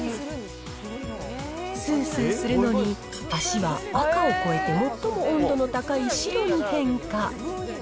すーすーするのに、足は赤を超えて、最も温度の高い白に変化。